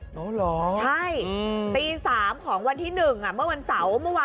อ๋อเหรอใช่ตี๓ของวันที่๑เมื่อวันเสาร์เมื่อวาน